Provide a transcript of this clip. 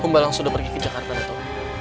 humbalang sudah pergi ke jakarta dato